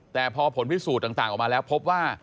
แต่พอผลพิสูจน์ต่างออกมาแล้วพบว่า